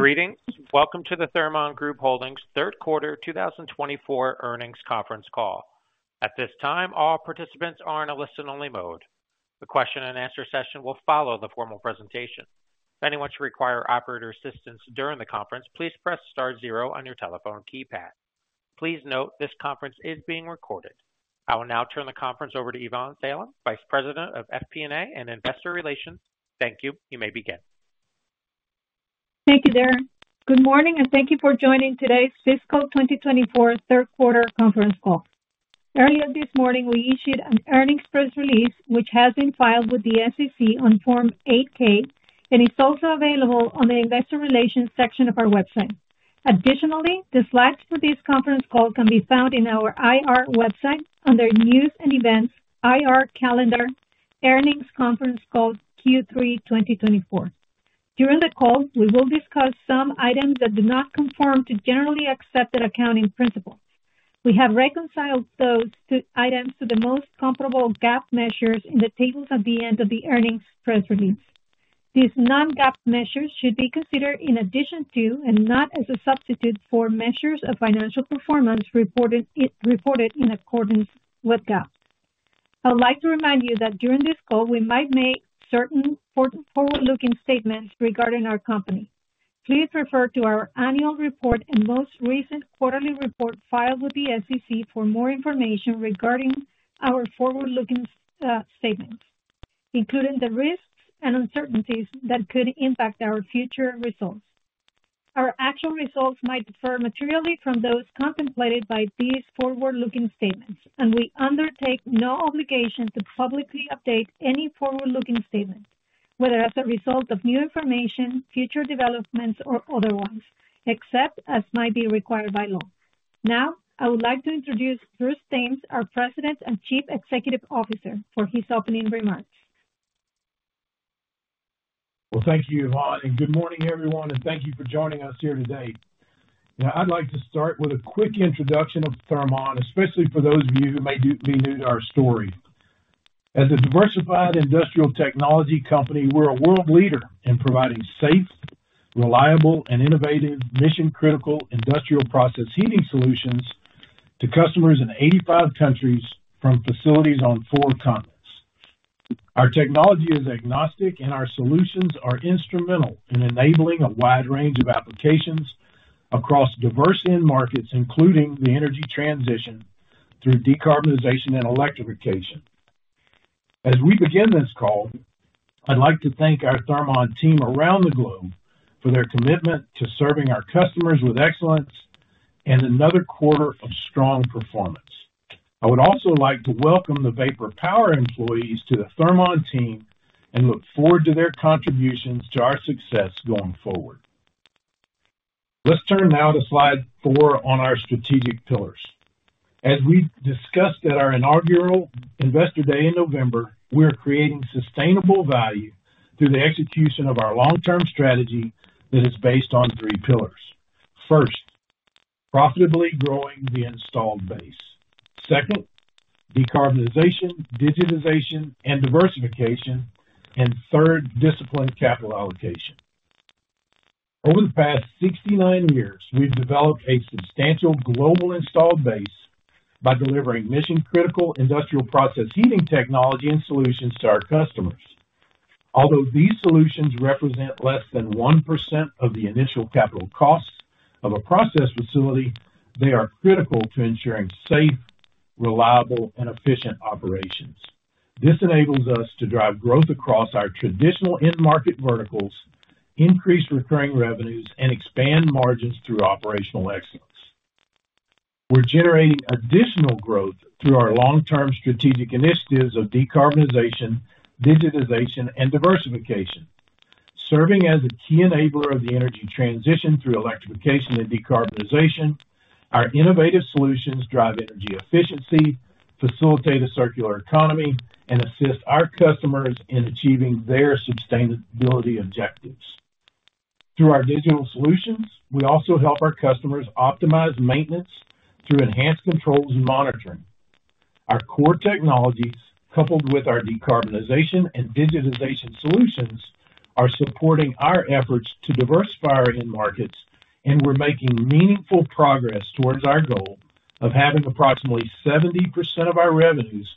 Greetings. Welcome to the Thermon Group Holdings third quarter 2024 earnings conference call. At this time, all participants are in a listen-only mode. The question-and-answer session will follow the formal presentation. If anyone should require operator assistance during the conference, please press star zero on your telephone keypad. Please note, this conference is being recorded. I will now turn the conference over to Ivonne Salem, Vice President of FP&A and Investor Relations. Thank you. You may begin. Thank you, Darren. Good morning, and thank you for joining today's fiscal 2024 third quarter conference call. Earlier this morning, we issued an earnings press release, which has been filed with the SEC on Form 8-K, and it's also available on the Investor Relations section of our website. Additionally, the slides for this conference call can be found in our IR website under News and Events, IR Calendar, Earnings Conference Call Q3 2024. During the call, we will discuss some items that do not conform to generally accepted accounting principles. We have reconciled those items to the most comparable GAAP measures in the tables at the end of the earnings press release. These non-GAAP measures should be considered in addition to, and not as a substitute for, measures of financial performance reported in accordance with GAAP. I'd like to remind you that during this call, we might make certain forward-looking statements regarding our company. Please refer to our annual report and most recent quarterly report filed with the SEC for more information regarding our forward-looking statements, including the risks and uncertainties that could impact our future results. Our actual results might differ materially from those contemplated by these forward-looking statements, and we undertake no obligation to publicly update any forward-looking statements, whether as a result of new information, future developments, or otherwise, except as might be required by law. Now, I would like to introduce Bruce Thames, our President and Chief Executive Officer, for his opening remarks. Well, thank you, Ivonne, and good morning, everyone, and thank you for joining us here today. Now, I'd like to start with a quick introduction of Thermon, especially for those of you who may be new to our story. As a diversified industrial technology company, we're a world leader in providing safe, reliable, and innovative, mission-critical industrial process heating solutions to customers in 85 countries from facilities on four continents. Our technology is agnostic, and our solutions are instrumental in enabling a wide range of applications across diverse end markets, including the energy transition through decarbonization and electrification. As we begin this call, I'd like to thank our Thermon team around the globe for their commitment to serving our customers with excellence and another quarter of strong performance. I would also like to welcome the Vapor Power employees to the Thermon team and look forward to their contributions to our success going forward. Let's turn now to slide four on our strategic pillars. As we discussed at our inaugural Investor Day in November, we are creating sustainable value through the execution of our long-term strategy that is based on three pillars. First, profitably growing the installed base. Second, decarbonization, digitization, and diversification. Third, disciplined capital allocation. Over the past 69 years, we've developed a substantial global installed base by delivering mission-critical industrial process heating technology and solutions to our customers. Although these solutions represent less than 1% of the initial capital costs of a process facility, they are critical to ensuring safe, reliable, and efficient operations. This enables us to drive growth across our traditional end market verticals, increase recurring revenues, and expand margins through operational excellence. We're generating additional growth through our long-term strategic initiatives of decarbonization, digitization, and diversification. Serving as a key enabler of the energy transition through electrification and decarbonization, our innovative solutions drive energy efficiency, facilitate a circular economy, and assist our customers in achieving their sustainability objectives. Through our digital solutions, we also help our customers optimize maintenance through enhanced controls and monitoring. Our core technologies, coupled with our decarbonization and digitization solutions, are supporting our efforts to diversify our end markets, and we're making meaningful progress towards our goal of having approximately 70% of our revenues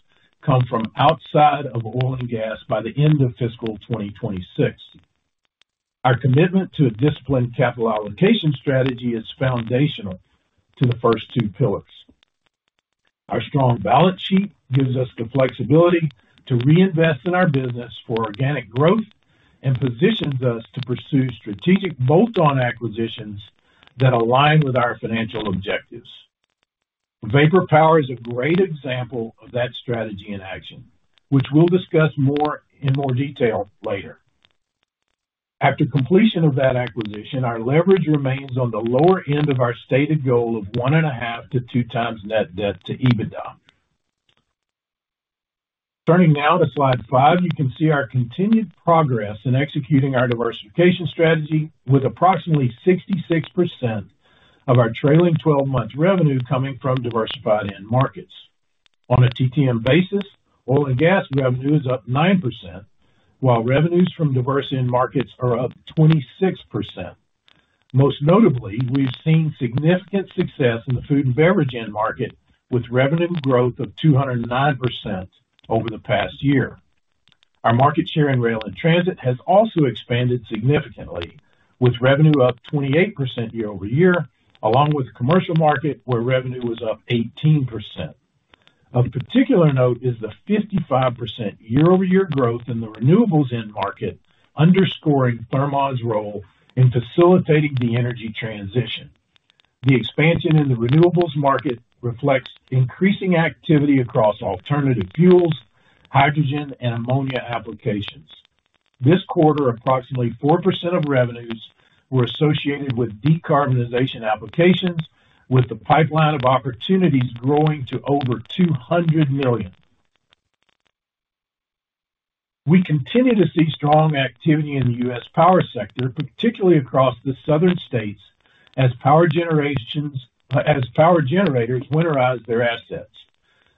come from outside of oil and gas by the end of fiscal 2026. Our commitment to a disciplined capital allocation strategy is foundational to the first two pillars. Our strong balance sheet gives us the flexibility to reinvest in our business for organic growth and positions us to pursue strategic bolt-on acquisitions that align with our financial objectives. Vapor Power is a great example of that strategy in action, which we'll discuss in more detail later. After completion of that acquisition, our leverage remains on the lower end of our stated goal of 1.5x-2x Net Debt to EBITDA. Turning now to slide five, you can see our continued progress in executing our diversification strategy, with approximately 66% of our trailing 12-month revenue coming from diversified end markets. On a TTM basis, oil and gas revenue is up 9%, while revenues from diverse end markets are up 26%. Most notably, we've seen significant success in the food and beverage end market, with revenue growth of 209% over the past year. Our market share in rail and transit has also expanded significantly, with revenue up 28% year-over-year, along with the commercial market, where revenue was up 18%. Of particular note is the 55% year-over-year growth in the renewables end market, underscoring Thermon's role in facilitating the energy transition. The expansion in the renewables market reflects increasing activity across alternative fuels, hydrogen, and ammonia applications. This quarter, approximately 4% of revenues were associated with decarbonization applications, with the pipeline of opportunities growing to over $200 million. We continue to see strong activity in the U.S. power sector, particularly across the southern states, as power generators winterize their assets.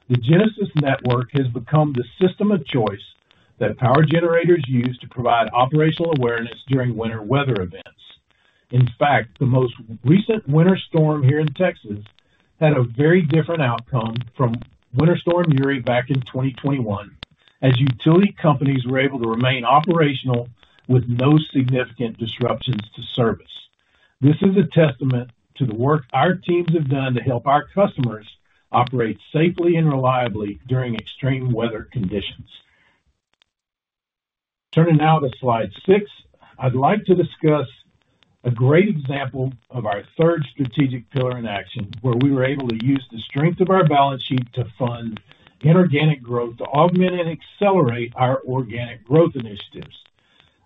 The Genesis network has become the system of choice that power generators use to provide operational awareness during winter weather events. In fact, the most recent winter storm here in Texas had a very different outcome from Winter Storm Uri back in 2021, as utility companies were able to remain operational with no significant disruptions to service. This is a testament to the work our teams have done to help our customers operate safely and reliably during extreme weather conditions. Turning now to slide six, I'd like to discuss a great example of our third strategic pillar in action, where we were able to use the strength of our balance sheet to fund inorganic growth to augment and accelerate our organic growth initiatives.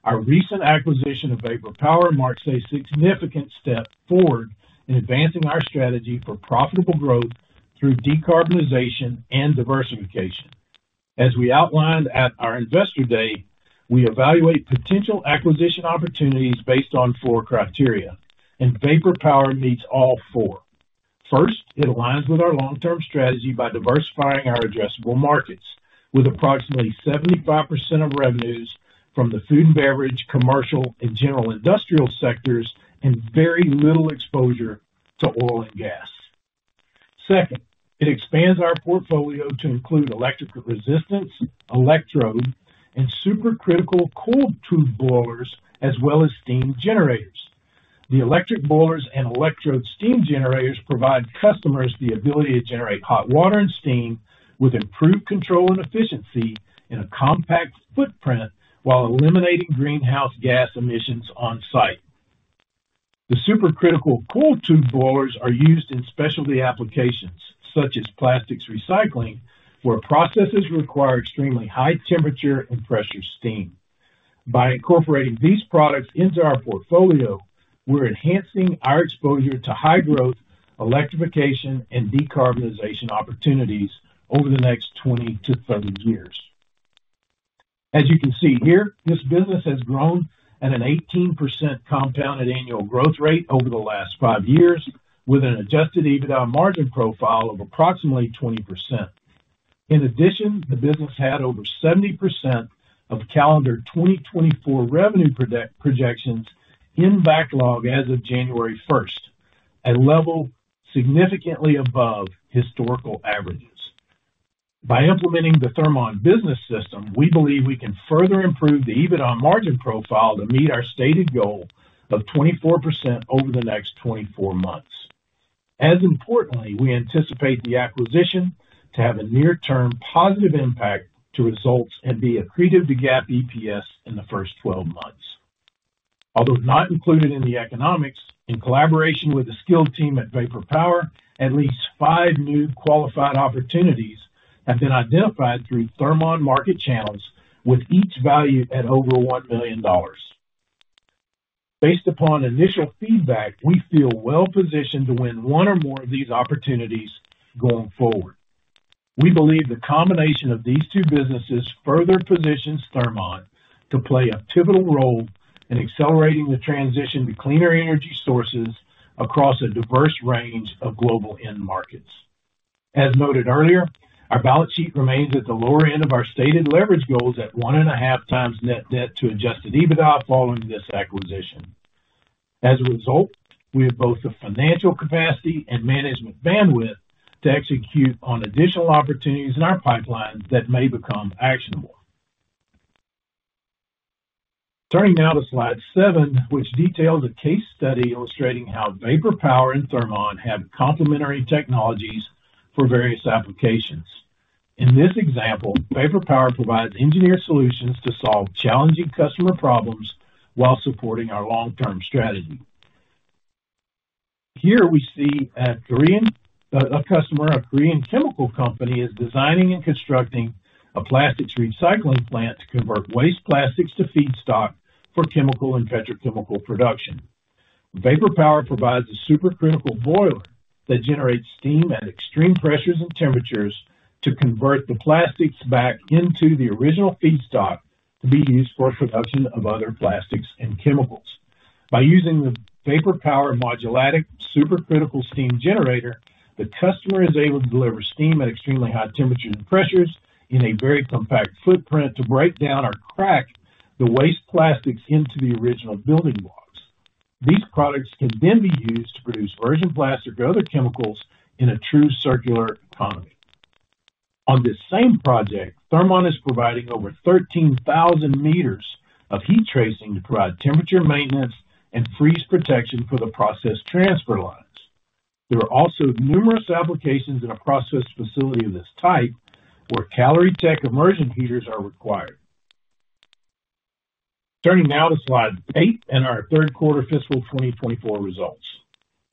Our recent acquisition of Vapor Power marks a significant step forward in advancing our strategy for profitable growth through decarbonization and diversification. As we outlined at our Investor Day, we evaluate potential acquisition opportunities based on four criteria, and Vapor Power meets all four. First, it aligns with our long-term strategy by diversifying our addressable markets, with approximately 75% of revenues from the food and beverage, commercial, and general industrial sectors and very little exposure to oil and gas. Second, it expands our portfolio to include electrical resistance, electrode, and supercritical coil tube boilers, as well as steam generators. The electric boilers and electrode steam generators provide customers the ability to generate hot water and steam with improved control and efficiency in a compact footprint, while eliminating greenhouse gas emissions on site. The supercritical coil tube boilers are used in specialty applications, such as plastics recycling, where processes require extremely high temperature and pressure steam. By incorporating these products into our portfolio, we're enhancing our exposure to high growth, electrification, and decarbonization opportunities over the next 20-30 years. As you can see here, this business has grown at an 18% compounded annual growth rate over the last five years, with an Adjusted EBITDA margin profile of approximately 20%. In addition, the business had over 70% of calendar 2024 revenue projections in backlog as of January first, a level significantly above historical averages. By implementing the Thermon business system, we believe we can further improve the EBITDA margin profile to meet our stated goal of 24% over the next 24 months. As importantly, we anticipate the acquisition to have a near-term positive impact to results and be accretive to GAAP EPS in the first 12 months. Although not included in the economics, in collaboration with the skilled team at Vapor Power, at least five new qualified opportunities have been identified through Thermon market channels, with each valued at over $1 million. Based upon initial feedback, we feel well positioned to win one or more of these opportunities going forward. We believe the combination of these two businesses further positions Thermon to play a pivotal role in accelerating the transition to cleaner energy sources across a diverse range of global end markets. As noted earlier, our balance sheet remains at the lower end of our stated leverage goals at 1.5x net debt to Adjusted EBITDA following this acquisition. As a result, we have both the financial capacity and management bandwidth to execute on additional opportunities in our pipeline that may become actionable. Turning now to slide seven, which details a case study illustrating how Vapor Power and Thermon have complementary technologies for various applications. In this example, Vapor Power provides engineered solutions to solve challenging customer problems while supporting our long-term strategy. Here we see a customer, a Korean chemical company, is designing and constructing a plastics recycling plant to convert waste plastics to feedstock for chemical and petrochemical production. Vapor Power provides a supercritical boiler that generates steam at extreme pressures and temperatures to convert the plastics back into the original feedstock to be used for production of other plastics and chemicals. By using the Vapor Power modular supercritical steam generator, the customer is able to deliver steam at extremely high temperatures and pressures in a very compact footprint to break down or crack the waste plastics into the original building blocks. These products can then be used to produce virgin plastic or other chemicals in a true circular economy. On this same project, Thermon is providing over 13,000 meters of heat tracing to provide temperature maintenance and freeze protection for the process transfer lines. There are also numerous applications in a process facility of this type where Caloritech immersion heaters are required. Turning now to slide eight and our third quarter fiscal 2024 results.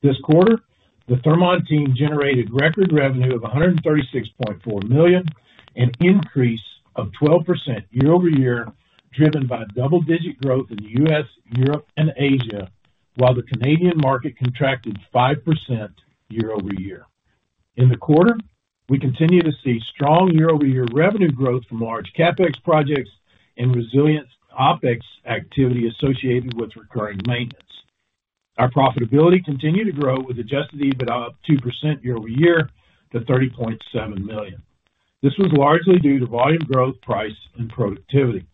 This quarter, the Thermon team generated record revenue of $136.4 million, an increase of 12% year-over-year, driven by double-digit growth in the U.S., Europe, and Asia, while the Canadian market contracted 5% year-over-year. In the quarter, we continue to see strong year-over-year revenue growth from large CapEx projects and resilient OpEx activity associated with recurring maintenance. Our profitability continued to grow, with Adjusted EBITDA up 2% year-over-year to $30.7 million. This was largely due to volume growth, price, and productivity.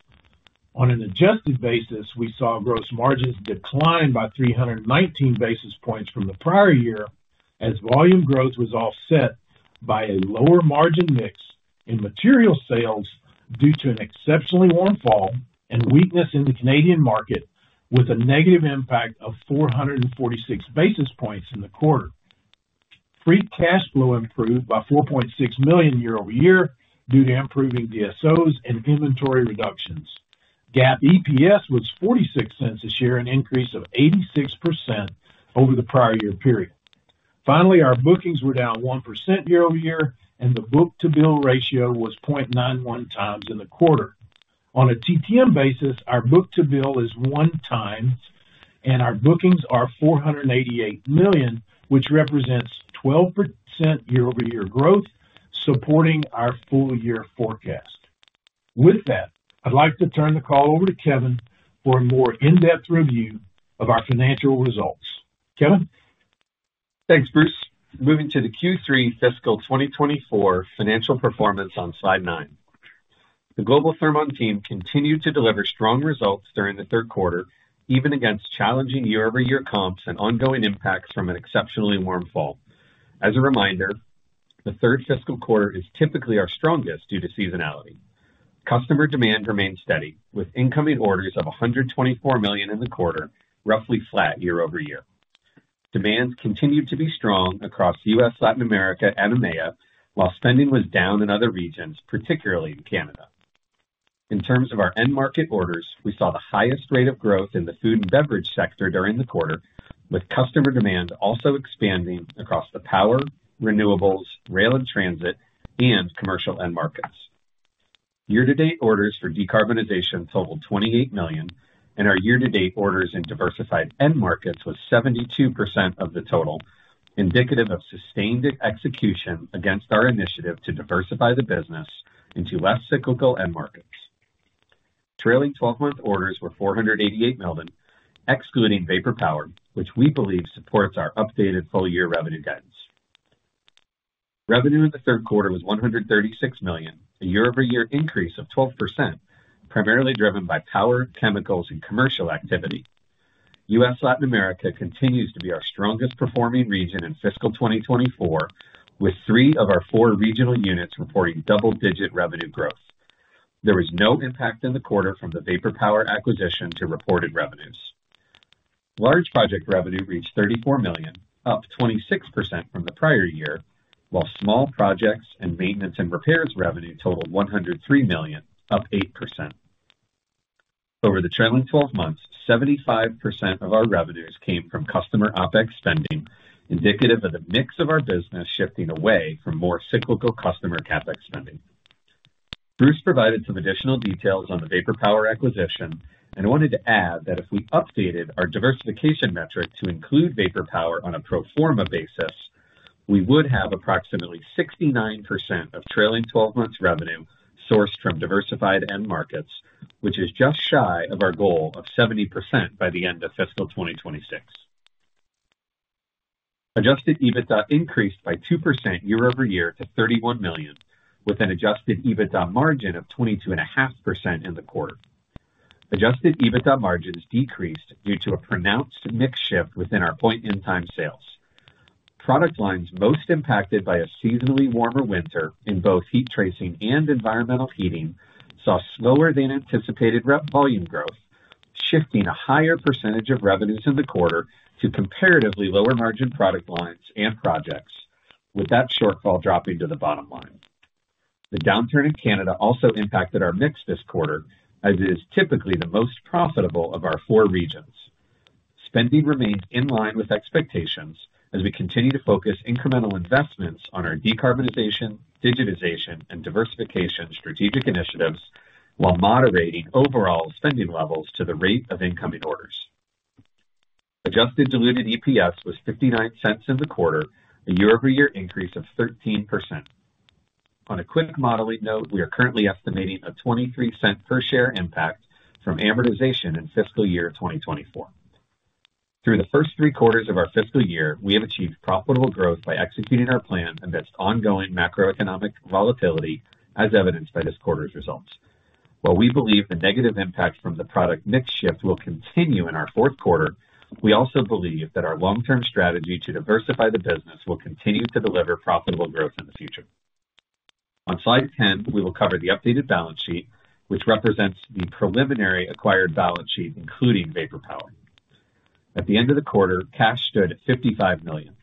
On an adjusted basis, we saw gross margins decline by 319 basis points from the prior year, as volume growth was offset by a lower margin mix in material sales due to an exceptionally warm fall and weakness in the Canadian market, with a negative impact of 446 basis points in the quarter. Free cash flow improved by $4.6 million year-over-year due to improving DSOs and inventory reductions. GAAP EPS was $0.46 a share, an increase of 86% over the prior year period. Finally, our bookings were down 1% year-over-year, and the book-to-bill ratio was 0.91x in the quarter. On a TTM basis, our book-to-bill is 1x, and our bookings are $488 million, which represents 12% year-over-year growth, supporting our full year forecast. With that, I'd like to turn the call over to Kevin for a more in-depth review of our financial results. Kevin? Thanks, Bruce. Moving to the Q3 fiscal 2024 financial performance on slide nine. The global Thermon team continued to deliver strong results during the third quarter, even against challenging year-over-year comps and ongoing impacts from an exceptionally warm fall. As a reminder, the third fiscal quarter is typically our strongest due to seasonality. Customer demand remained steady, with incoming orders of $124 million in the quarter, roughly flat year-over-year. Demands continued to be strong across U.S., Latin America, and EMEA, while spending was down in other regions, particularly in Canada. In terms of our end market orders, we saw the highest rate of growth in the food and beverage sector during the quarter, with customer demand also expanding across the power, renewables, rail and transit, and commercial end markets. Year-to-date orders for decarbonization totaled $28 million, and our year-to-date orders in diversified end markets was 72% of the total, indicative of sustained execution against our initiative to diversify the business into less cyclical end markets. Trailing 12-month orders were $488 million, excluding Vapor Power, which we believe supports our updated full-year revenue guidance. Revenue in the third quarter was $136 million, a year-over-year increase of 12%, primarily driven by power, chemicals, and commercial activity. U.S. Latin America continues to be our strongest performing region in fiscal 2024, with three of our four regional units reporting double-digit revenue growth. There was no impact in the quarter from the Vapor Power acquisition to reported revenues. Large project revenue reached $34 million, up 26% from the prior year, while small projects and maintenance and repairs revenue totaled $103 million, up 8%. Over the trailing twelve months, 75% of our revenues came from customer OpEx spending, indicative of the mix of our business shifting away from more cyclical customer CapEx spending. Bruce provided some additional details on the Vapor Power acquisition, and I wanted to add that if we updated our diversification metric to include Vapor Power on a pro forma basis, we would have approximately 69% of trailing twelve months revenue sourced from diversified end markets, which is just shy of our goal of 70% by the end of fiscal 2026. Adjusted EBITDA increased by 2% year-over-year to $31 million, with an Adjusted EBITDA margin of 22.5% in the quarter. Adjusted EBITDA margins decreased due to a pronounced mix shift within our point-in-time sales. Product lines most impacted by a seasonally warmer winter in both heat tracing and environmental heating, saw slower than anticipated revenue volume growth, shifting a higher percentage of revenues in the quarter to comparatively lower margin product lines and projects, with that shortfall dropping to the bottom line. The downturn in Canada also impacted our mix this quarter, as it is typically the most profitable of our four regions. Spending remains in line with expectations as we continue to focus incremental investments on our decarbonization, digitization, and diversification strategic initiatives, while moderating overall spending levels to the rate of incoming orders. Adjusted diluted EPS was $0.59 in the quarter, a year-over-year increase of 13%. On a quick modeling note, we are currently estimating a $0.23 per share impact from amortization in fiscal year 2024. Through the first three quarters of our fiscal year, we have achieved profitable growth by executing our plan amidst ongoing macroeconomic volatility, as evidenced by this quarter's results. While we believe the negative impact from the product mix shift will continue in our fourth quarter, we also believe that our long-term strategy to diversify the business will continue to deliver profitable growth in the future. On Slide 10, we will cover the updated balance sheet, which represents the preliminary acquired balance sheet, including Vapor Power. At the end of the quarter, cash stood at $55 million.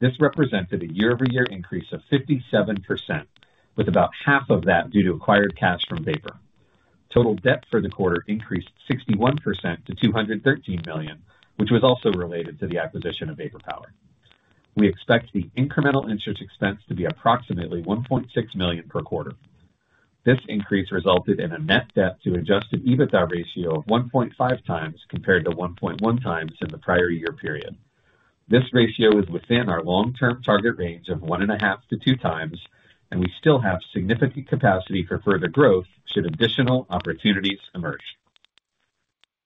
This represented a year-over-year increase of 57%, with about half of that due to acquired cash from Vapor. Total debt for the quarter increased 61% to $213 million, which was also related to the acquisition of Vapor Power. We expect the incremental interest expense to be approximately $1.6 million per quarter. This increase resulted in a net debt to Adjusted EBITDA ratio of 1.5x, compared to 1.1x in the prior year period. This ratio is within our long-term target range of 1.5x-2x, and we still have significant capacity for further growth should additional opportunities emerge.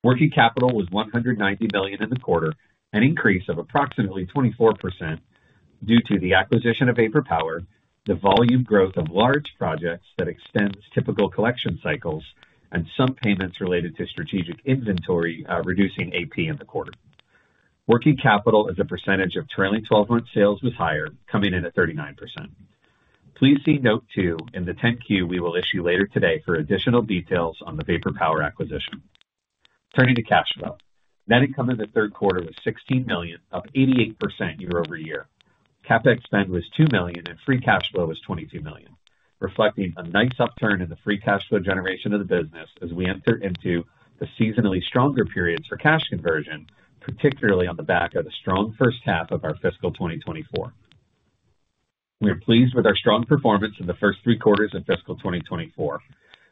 Working capital was $190 million in the quarter, an increase of approximately 24% due to the acquisition of Vapor Power, the volume growth of large projects that extends typical collection cycles, and some payments related to strategic inventory, reducing AP in the quarter. Working capital as a percentage of trailing 12-month sales was higher, coming in at 39%. Please see note two in the 10-Q we will issue later today for additional details on the Vapor Power acquisition. Turning to cash flow. Net income in the third quarter was $16 million, up 88% year-over-year. CapEx spend was $2 million, and free cash flow was $22 million, reflecting a nice upturn in the free cash flow generation of the business as we enter into the seasonally stronger periods for cash conversion, particularly on the back of the strong first half of our fiscal 2024. We are pleased with our strong performance in the first three quarters of fiscal 2024.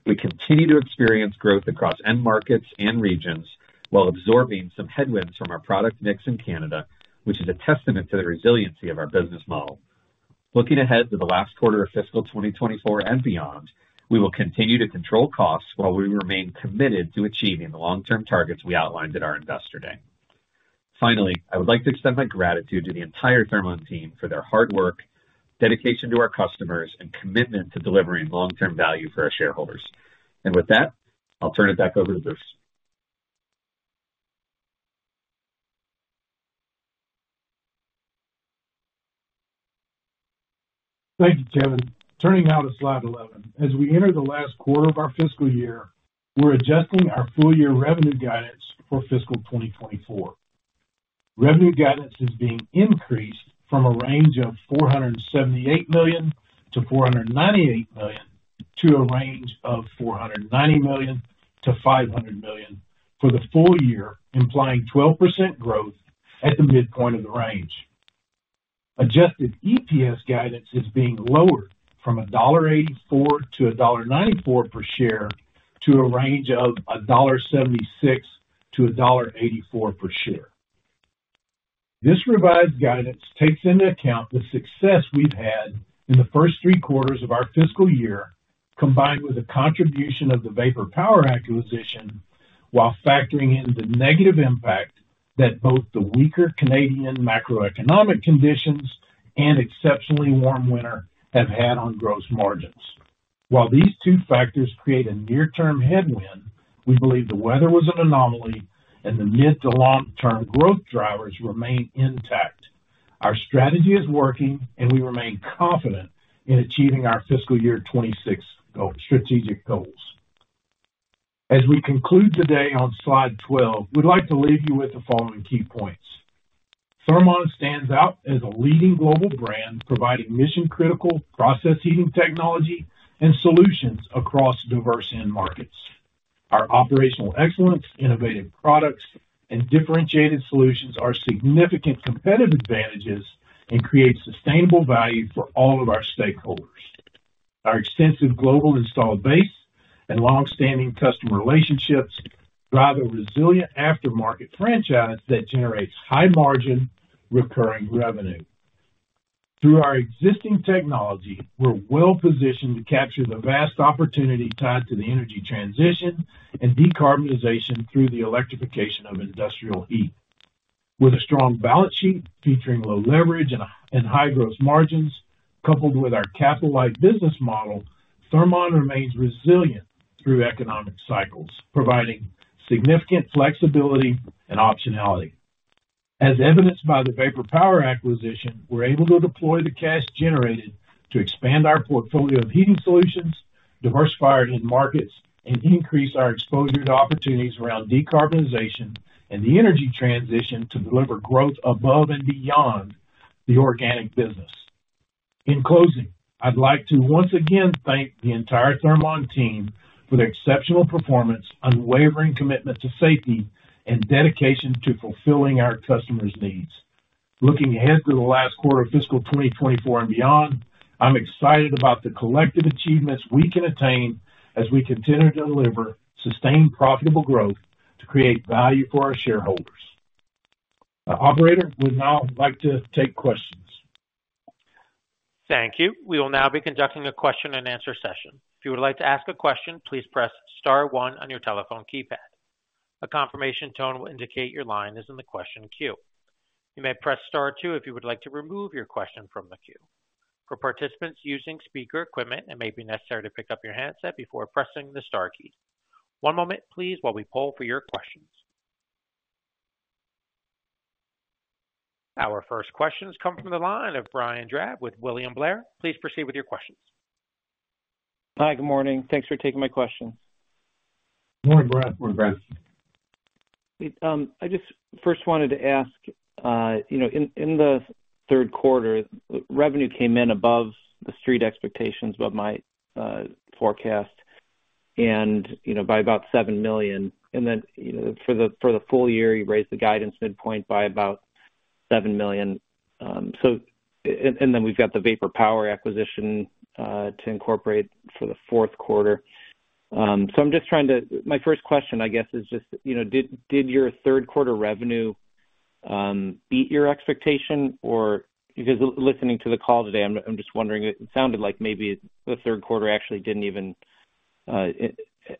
We continue to experience growth across end markets and regions while absorbing some headwinds from our product mix in Canada, which is a testament to the resiliency of our business model. Looking ahead to the last quarter of fiscal 2024 and beyond, we will continue to control costs while we remain committed to achieving the long-term targets we outlined at our Investor Day. Finally, I would like to extend my gratitude to the entire Thermon team for their hard work, dedication to our customers, and commitment to delivering long-term value for our shareholders. With that, I'll turn it back over to Bruce. Thank you, Kevin. Turning now to slide 11. As we enter the last quarter of our fiscal year, we're adjusting our full year revenue guidance for fiscal 2024. Revenue guidance is being increased from a range of $478 million-$498 million, to a range of $490 million-$500 million for the full year, implying 12% growth at the midpoint of the range. Adjusted EPS guidance is being lowered from $1.84-$1.94 per share, to a range of $1.76-$1.84 per share. This revised guidance takes into account the success we've had in the first three quarters of our fiscal year, combined with the contribution of the Vapor Power acquisition, while factoring in the negative impact that both the weaker Canadian macroeconomic conditions and exceptionally warm winter have had on gross margins. While these two factors create a near-term headwind, we believe the weather was an anomaly and the mid to long-term growth drivers remain intact. Our strategy is working, and we remain confident in achieving our fiscal year 2026 strategic goals. As we conclude today on slide 12, we'd like to leave you with the following key points. Thermon stands out as a leading global brand, providing mission-critical process heating technology and solutions across diverse end markets. Our operational excellence, innovative products, and differentiated solutions are significant competitive advantages and create sustainable value for all of our stakeholders. Our extensive global installed base and long-standing customer relationships drive a resilient aftermarket franchise that generates high margin, recurring revenue. Through our existing technology, we're well positioned to capture the vast opportunity tied to the energy transition and decarbonization through the electrification of industrial heat. With a strong balance sheet featuring low leverage and high gross margins, coupled with our capital-light business model, Thermon remains resilient through economic cycles, providing significant flexibility and optionality. As evidenced by the Vapor Power acquisition, we're able to deploy the cash generated to expand our portfolio of heating solutions, diversify our end markets, and increase our exposure to opportunities around decarbonization and the energy transition to deliver growth above and beyond the organic business. In closing, I'd like to once again thank the entire Thermon team for their exceptional performance, unwavering commitment to safety, and dedication to fulfilling our customers' needs. Looking ahead to the last quarter of fiscal 2024 and beyond, I'm excited about the collective achievements we can attain as we continue to deliver sustained, profitable growth to create value for our shareholders. Operator, we'd now like to take questions. Thank you. We will now be conducting a question-and-answer session. If you would like to ask a question, please press star one on your telephone keypad. A confirmation tone will indicate your line is in the question queue. You may press star two if you would like to remove your question from the queue. For participants using speaker equipment, it may be necessary to pick up your handset before pressing the star key. One moment, please, while we poll for your questions. Our first questions come from the line of Brian Drab with William Blair. Please proceed with your questions. Hi, good morning. Thanks for taking my questions. Good morning, Brian. Go ahead. I just first wanted to ask, you know, in the third quarter, revenue came in above the street expectations, but my forecast and, you know, by about $7 million. And then, you know, for the full year, you raised the guidance midpoint by about $7 million. So, and then we've got the Vapor Power acquisition to incorporate for the fourth quarter. So I'm just trying to, my first question, I guess, is just, you know, did your third quarter revenue beat your expectation or? Because listening to the call today, I'm just wondering, it sounded like maybe the third quarter actually didn't even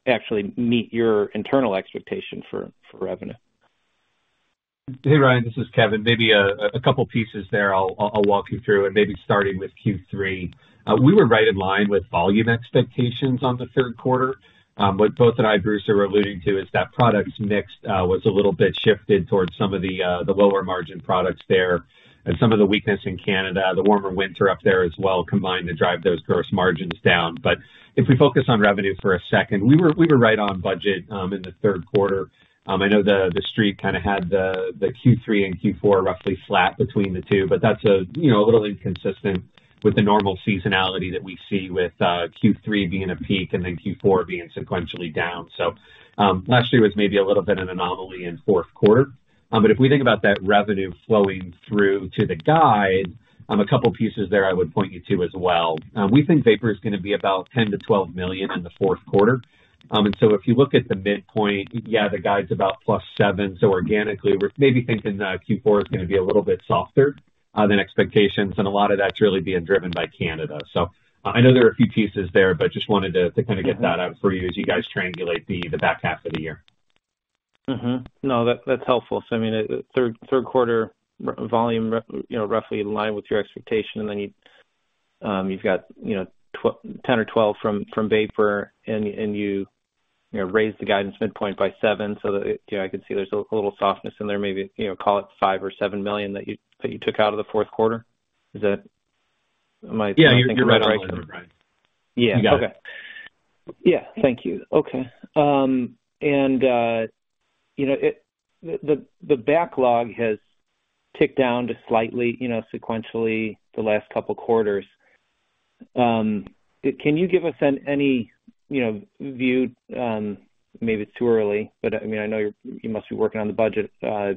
actually meet your internal expectation for revenue. Hey, Brian, this is Kevin. Maybe a couple pieces there I'll walk you through and maybe starting with Q3. We were right in line with volume expectations on the third quarter. What both and I, Bruce, are alluding to is that product mix was a little bit shifted towards some of the lower margin products there, and some of the weakness in Canada, the warmer winter up there as well, combined to drive those gross margins down. But if we focus on revenue for a second, we were right on budget in the third quarter. I know the street kind of had the Q3 and Q4 roughly flat between the two, but that's a you know a little inconsistent with the normal seasonality that we see with Q3 being a peak and then Q4 being sequentially down. So last year was maybe a little bit of an anomaly in fourth quarter. But if we think about that revenue flowing through to the guide, a couple pieces there I would point you to as well. We think Vapor is going to be about $10 million-$12 million in the fourth quarter. And so if you look at the midpoint, yeah, the guide's about +7. So organically, we're maybe thinking that Q4 is going to be a little bit softer than expectations, and a lot of that's really being driven by Canada. So I know there are a few pieces there, but just wanted to kind of get that out for you as you guys triangulate the back half of the year. No, that's helpful. So I mean, third quarter volume, you know, roughly in line with your expectation, and then you've got, you know, 10 or 12 from Vapor, and you know, raised the guidance midpoint by 7. So, you know, I can see there's a little softness in there, maybe, you know, call it $5 million or $7 million that you took out of the fourth quarter. Am I right? Yeah, you're right. Yeah. Yeah. Thank you. Okay. And, you know, the backlog has ticked down slightly, you know, sequentially the last couple quarters. Can you give us any, you know, view, maybe it's too early, but, I mean, I know you must be working on the budget for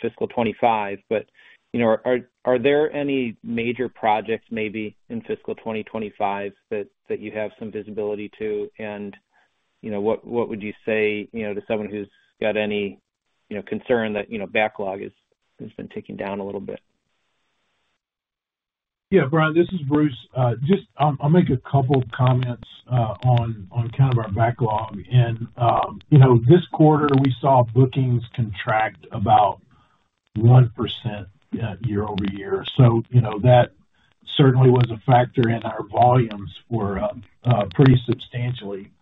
fiscal 2025, but, you know, are there any major projects maybe in fiscal 2025 that you have some visibility to? And, you know, what would you say, you know, to someone who's got any, you know, concern that, you know, backlog has been ticking down a little bit? Yeah, Brian, this is Bruce. Just, I'll make a couple of comments on kind of our backlog. And, you know, this quarter, we saw bookings contract about 1% year-over-year. So, you know, that certainly was a factor in our volumes for pretty substantially.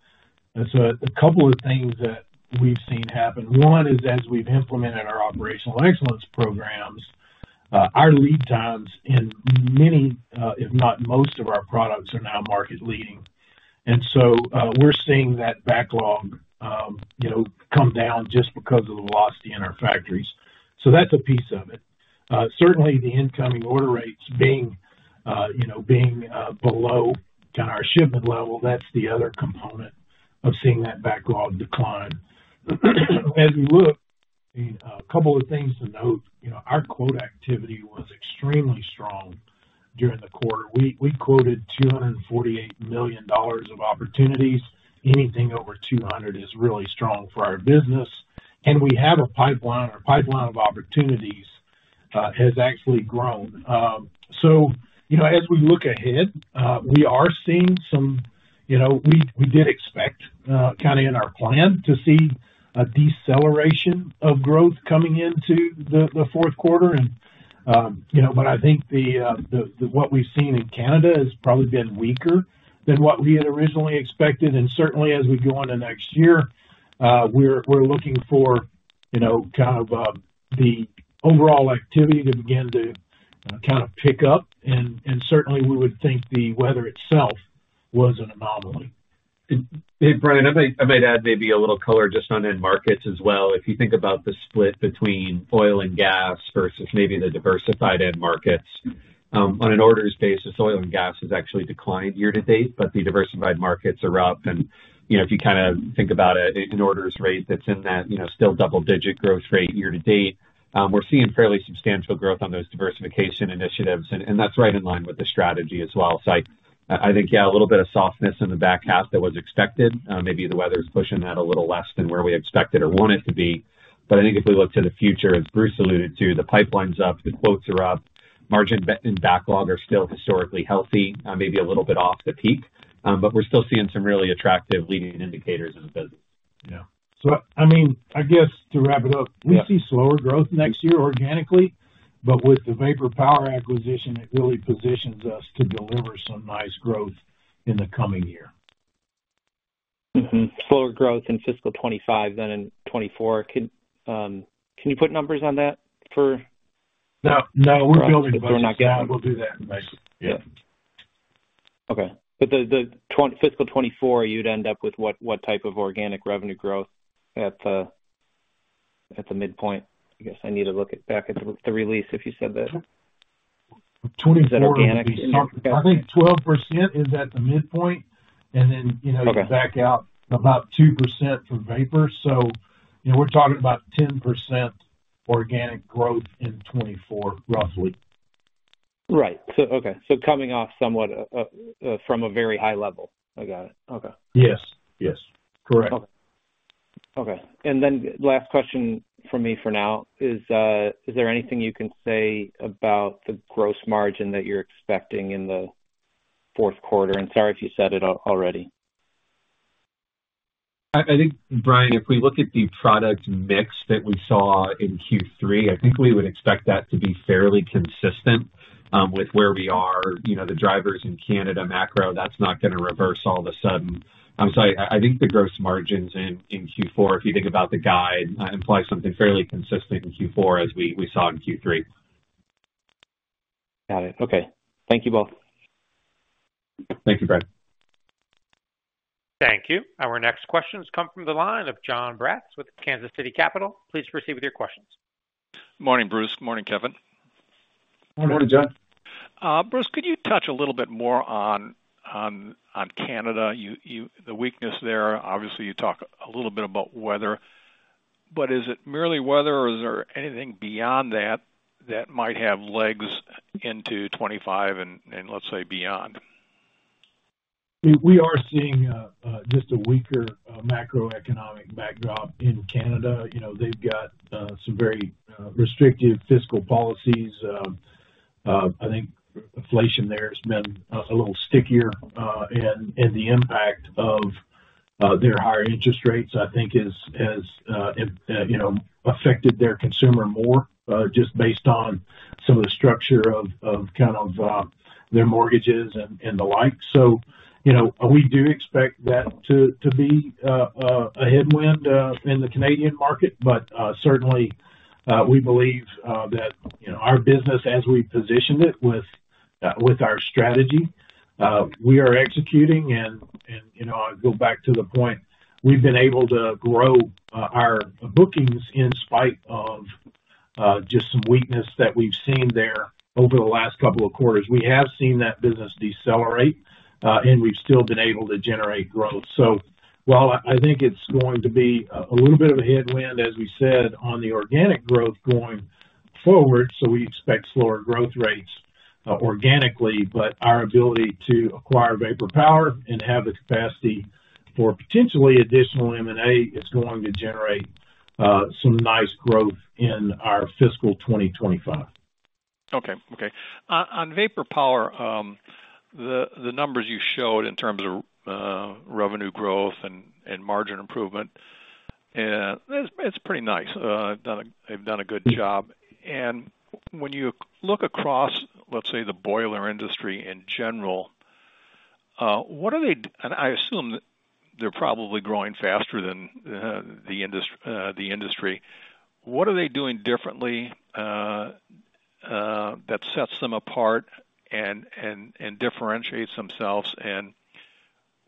And so a couple of things that we've seen happen, one is as we've implemented our operational excellence programs, our lead times in many, if not most of our products, are now market leading. And so, we're seeing that backlog, you know, come down just because of the velocity in our factories. So that's a piece of it. Certainly the incoming order rates being, you know, being below kind of our shipment level, that's the other component of seeing that backlog decline. As we look, a couple of things to note, you know, our quote activity was extremely strong during the quarter. We quoted $248 million of opportunities. Anything over 200 is really strong for our business, and we have a pipeline, our pipeline of opportunities, has actually grown. So, you know, as we look ahead, we are seeing some. You know, we did expect, kind of in our plan to see a deceleration of growth coming into the fourth quarter. And, you know, but I think what we've seen in Canada has probably been weaker than what we had originally expected. Certainly, as we go on to next year, we're looking for, you know, kind of, the overall activity to begin to kind of pick up, and certainly, we would think the weather itself was an anomaly. Hey, Brian, I might, I might add maybe a little color just on end markets as well. If you think about the split between oil and gas versus maybe the diversified end markets, on an orders basis, oil and gas has actually declined year-to-date, but the diversified markets are up. And, you know, if you kind of think about it, an orders rate that's in that, you know, still double digit growth rate year-to-date, we're seeing fairly substantial growth on those diversification initiatives, and that's right in line with the strategy as well. So I think, yeah, a little bit of softness in the back half that was expected. Maybe the weather's pushing that a little less than where we expected or want it to be. But I think if we look to the future, as Bruce alluded to, the pipeline's up, the quotes are up, margin and backlog are still historically healthy, maybe a little bit off the peak, but we're still seeing some really attractive leading indicators in the business. Yeah. So, I mean, I guess to wrap it up, we see slower growth next year organically, but with the Vapor Power acquisition, it really positions us to deliver some nice growth in the coming year. Slower growth in fiscal 2025 than in 2024. Could you put numbers on that for. No, no, we're building. We're not done. We'll do that next. Yeah. Okay. But the fiscal 2024, you'd end up with what type of organic revenue growth at the midpoint? I guess I need to look back at the release if you said that. Sure. Is that organic? I think 12% is at the midpoint, and then, you know, you back out about 2% for Vapor. So, you know, we're talking about 10% organic growth in 2024, roughly. Right. So, okay, so coming off somewhat, from a very high level. I got it. Okay. Yes, yes. Correct. Okay. And then last question from me for now is, is there anything you can say about the gross margin that you're expecting in the fourth quarter? And sorry if you said it already. I think, Brian, if we look at the product mix that we saw in Q3, I think we would expect that to be fairly consistent with where we are. You know, the drivers in Canada, macro, that's not going to reverse all of a sudden. I think the gross margins in Q4, if you think about the guide, imply something fairly consistent in Q4 as we saw in Q3. Got it. Okay. Thank you both. Thank you, Brian. Thank you. Our next question has come from the line of Jon Braatz with Kansas City Capital. Please proceed with your questions. Morning, Bruce. Morning, Kevin. Morning, Jon. Bruce, could you touch a little bit more on Canada? The weakness there. Obviously, you talk a little bit about weather, but is it merely weather, or is there anything beyond that that might have legs into 2025 and let's say, beyond? We are seeing just a weaker macroeconomic backdrop in Canada. You know, they've got some very restrictive fiscal policies. I think inflation there has been a little stickier, and the impact of their higher interest rates, I think, has you know, affected their consumer more, just based on some of the structure of kind of their mortgages and the like. So, you know, we do expect that to be a headwind in the Canadian market, but certainly, we believe that, you know, our business as we positioned it with our strategy, we are executing. You know, I go back to the point, we've been able to grow our bookings in spite of just some weakness that we've seen there over the last couple of quarters. We have seen that business decelerate, and we've still been able to generate growth. So while I think it's going to be a little bit of a headwind, as we said, on the organic growth going forward, so we expect slower growth rates organically, but our ability to acquire Vapor Power and have the capacity for potentially additional M&A is going to generate some nice growth in our fiscal 2025. Okay. Okay. On Vapor Power, the numbers you showed in terms of revenue growth and margin improvement, it's pretty nice. They've done a good job. And when you look across, let's say, the boiler industry in general, I assume they're probably growing faster than the industry. What are they doing differently that sets them apart and differentiates themselves? And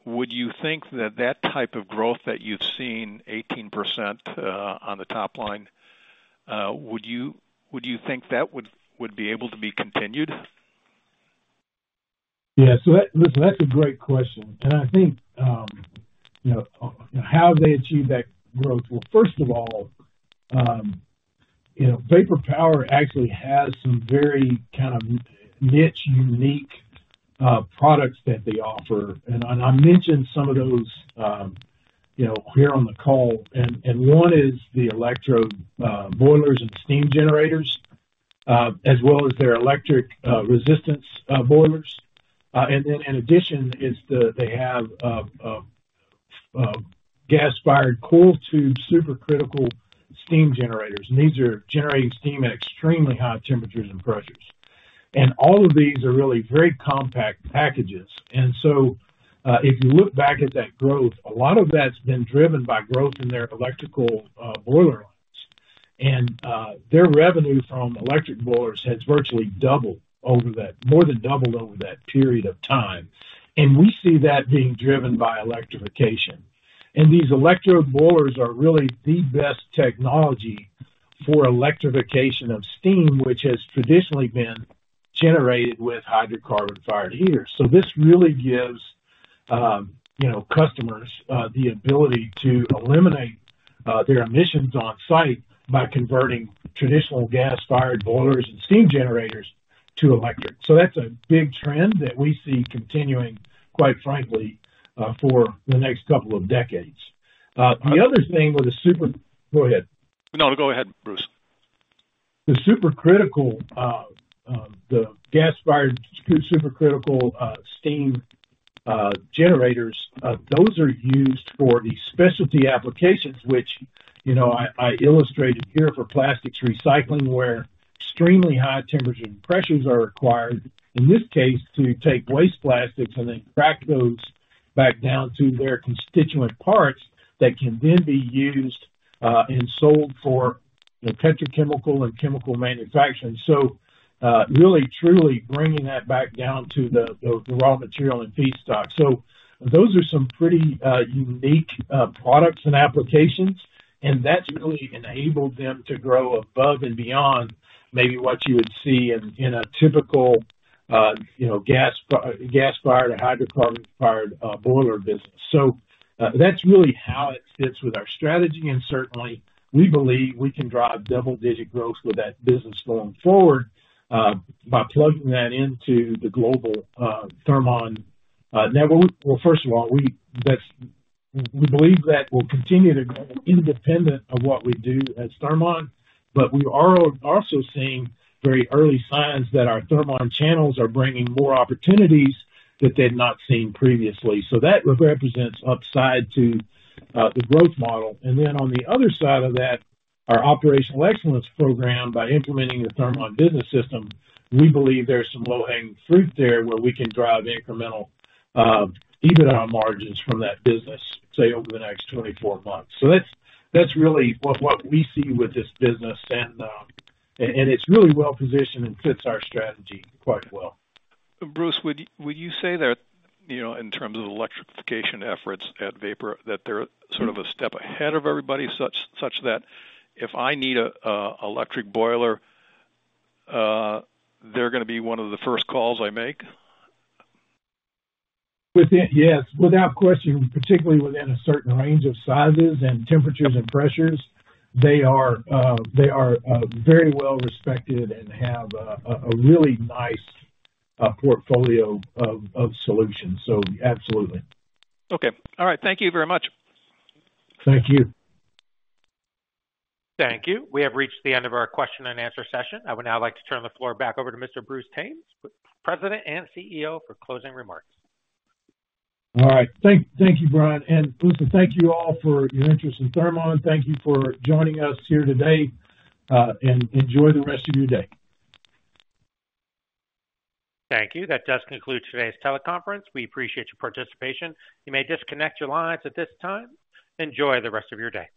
would you think that that type of growth that you've seen, 18%, on the top line, would you think that would be able to be continued? Listen, that's a great question. And I think, you know, how have they achieved that growth? Well, first of all, you know, Vapor Power actually has some very kind of niche, unique products that they offer, and I mentioned some of those, you know, here on the call. And one is the electrode boilers and steam generators, as well as their electric resistance boilers. And then in addition they have gas-fired coil tube supercritical steam generators. And these are generating steam at extremely high temperatures and pressures. And all of these are really very compact packages. And so, if you look back at that growth, a lot of that's been driven by growth in their electrical boiler lines. Their revenue from electric boilers has virtually more than doubled over that period of time, and we see that being driven by electrification. These electrode boilers are really the best technology for electrification of steam, which has traditionally been generated with hydrocarbon-fired heaters. So this really gives you know, customers the ability to eliminate their emissions on site by converting traditional gas-fired boilers and steam generators to electric. So that's a big trend that we see continuing, quite frankly, for the next couple of decades. The other thing with the super. Go ahead. No, go ahead, Bruce. The supercritical, the gas-fired supercritical, steam generators, those are used for the specialty applications, which, you know, I illustrated here for plastics recycling, where extremely high temperatures and pressures are required, in this case, to take waste plastics and then crack those back down to their constituent parts that can then be used and sold for, you know, petrochemical and chemical manufacturing. So, really, truly bringing that back down to the raw material and feedstock. So those are some pretty, unique, products and applications, and that's really enabled them to grow above and beyond maybe what you would see in a typical, you know, gas-fired or hydrocarbon-fired, boiler business. So, that's really how it fits with our strategy, and certainly, we believe we can drive double-digit growth with that business going forward, by plugging that into the global Thermon network. Well, first of all, we believe that will continue to grow independent of what we do as Thermon, but we are also seeing very early signs that our Thermon channels are bringing more opportunities that they've not seen previously. So that represents upside to the growth model. And then on the other side of that, our operational excellence program, by implementing the Thermon business system, we believe there's some low-hanging fruit there, where we can drive incremental EBITDA margins from that business, say, over the next 24 months. So that's really what we see with this business, and it's really well positioned and fits our strategy quite well. Bruce, would you say that, you know, in terms of electrification efforts at Vapor, that they're sort of a step ahead of everybody, such that if I need a electric boiler, they're gonna be one of the first calls I make? Yes, without question, particularly within a certain range of sizes and temperatures and pressures, they are, very well respected and have a really nice portfolio of solutions. So absolutely. Okay. All right. Thank you very much. Thank you. Thank you. We have reached the end of our question-and-answer session. I would now like to turn the floor back over to Mr. Bruce Thames, President and CEO, for closing remarks. All right. Thank you, Brian, and listen, thank you all for your interest in Thermon. Thank you for joining us here today, and enjoy the rest of your day. Thank you. That does conclude today's teleconference. We appreciate your participation. You may disconnect your lines at this time. Enjoy the rest of your day.